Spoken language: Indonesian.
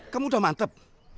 kamu udah mantep